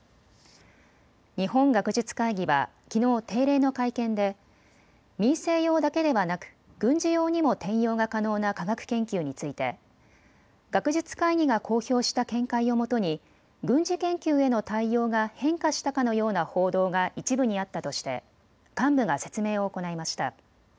日本学術会議はきのう定例の会見で民生用だけではなく軍事用にも転用が可能な科学研究について学術会議が公表した見解をもとに軍事研究への対応が変化したかのような報道が一部にあったとして幹部が説明を行いました。